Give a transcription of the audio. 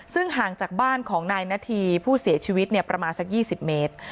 ซึ่งห่างจากบ้านของนายนาธีผู้เสียชีวิตประมาณสัก๒๐เมตร